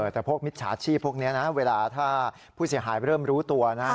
แต่พวกมิจฉาชีพพวกนี้นะเวลาถ้าผู้เสียหายเริ่มรู้ตัวนะ